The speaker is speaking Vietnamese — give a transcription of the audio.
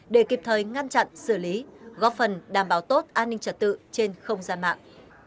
để kịp thời ngăn chặn xử lý góp phần đảm bảo tốt an ninh trật tự trên không gian mạng